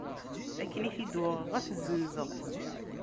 Akken i t-id-uɣeɣ, ad t-zzenzeɣ.